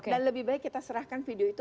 dan lebih baik kita serahkan video itu